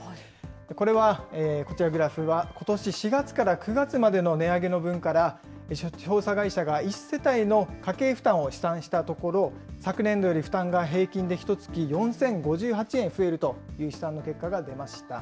これはこちらグラフはことし４月から９月までの値上げの分から、調査会社が１世帯の家計負担を試算したところ、昨年度より負担が平均でひとつき４０５８円増えるという試算の結果が出ました。